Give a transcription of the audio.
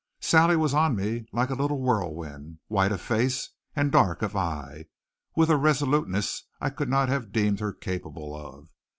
Sally was on me like a little whirlwind, white of face and dark of eye, with a resoluteness I could not have deemed her capable of.